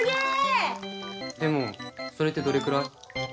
でもそれってどれくらい？